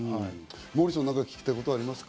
モーリーさん、聞きたいことありますか？